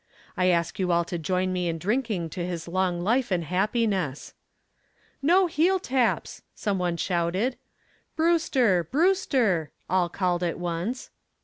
I ask you all to join me in drinking to his long life and happiness." "No heel taps!" some one shouted. "Brewster! Brewster!" all called at once.